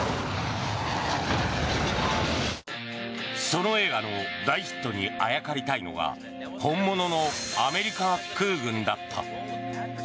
その映画の大ヒットにあやかりたいのが本物のアメリカ空軍だった。